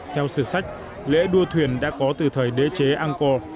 theo sửa sách lễ đua thuyền đã có từ thời đế chế angkor